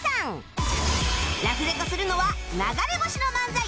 ラフレコするのは流れ星☆の漫才